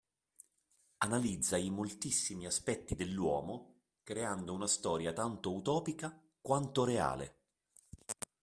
Analizza i moltissimi aspetti dell'uomo creando una storia tanto utopica quanto reale.